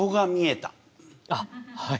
あっはい。